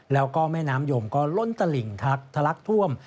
แล้วก็แม่น้ำยมก็ล้นตลิ่งทักทะลักท่วม